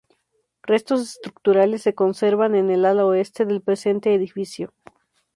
Restos estructurales se conservan en el ala oeste del presente edificio.